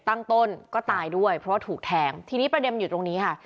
ตั้งต้นก็ตายด้วยเพราะว่าถูกแทงทีนี้ประเด็นอยู่ตรงนี้ค่ะ